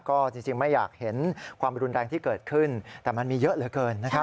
ก็จริงไม่อยากเห็นความรุนแรงที่เกิดขึ้นแต่มันมีเยอะเหลือเกินนะครับ